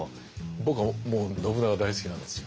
僕はもう信長大好きなんですよ。